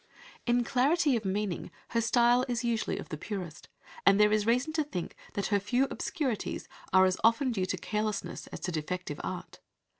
In clarity of meaning her style is usually of the purest, and there is reason to think that her few obscurities are as often due to carelessness as to defective art.